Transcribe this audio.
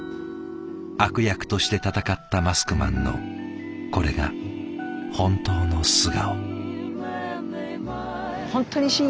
悪役として戦ったマスクマンのこれが本当の素顔。